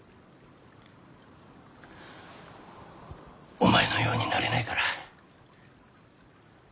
お前のようになれないから。